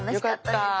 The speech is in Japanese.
あよかった。